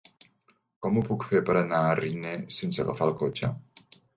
Com ho puc fer per anar a Riner sense agafar el cotxe?